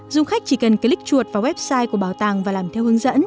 dùng khách chỉ cần click chuột vào website của bảo tàng